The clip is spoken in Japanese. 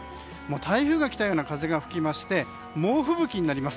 台風が来たような風が吹きまして猛吹雪になります。